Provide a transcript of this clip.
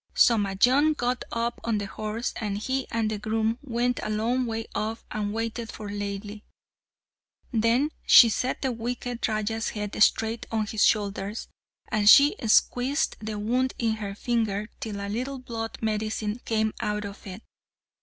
So Majnun got up on the horse, and he and the groom went a long way off and waited for Laili. Then she set the wicked Raja's head straight on his shoulders, and she squeezed the wound in her finger till a little blood medicine came out of it.